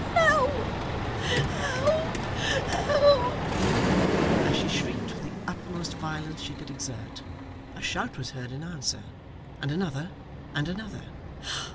'Help! help! help!' As she shrieked with the utmost violence she could exert, a shout was heard in answer, and another, and another.